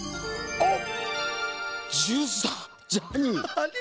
あっ。